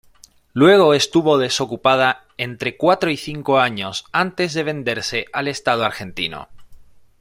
Luego estuvo desocupada entre cuatro y cinco años, antes de venderse al Estado Argentino.